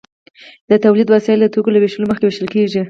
د تولید وسایل د توکو له ویشلو مخکې ویشل کیږي.